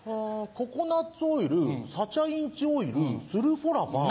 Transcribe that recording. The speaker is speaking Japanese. ココナツオイルサチャインチオイルスルフォラファン。